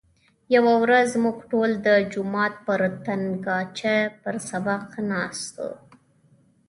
یوه ورځ موږ ټول د جومات پر تنګاچه پر سبق ناست وو.